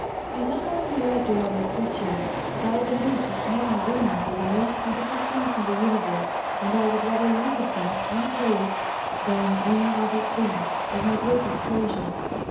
I not only loved all other creatures, but I believed that men and women were the most beautiful things in the universe and I would rather look at them (unclothed) than on any other thing, as my greatest pleasure.